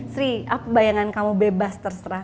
sri apa bayangan kamu bebas terserah